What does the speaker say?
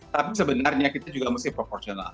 tapi sebenarnya kita juga mesti proporsional